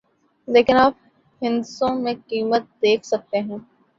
لیکن آپ ہندسوں میں قیمت دیکھ سکتے ہیں